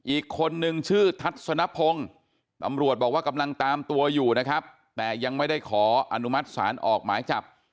อีกคนนึงชื่อทัศนพงศ์ตำรวจบอกว่ากำลังตามตัวอยู่นะครับแต่ยังไม่ได้ขออนุมัติศาลออกหมายจับ